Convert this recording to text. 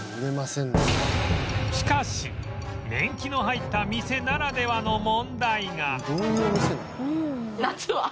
しかし年季の入った店ならではの問題が